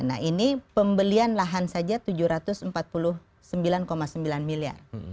nah ini pembelian lahan saja rp tujuh ratus empat puluh sembilan sembilan miliar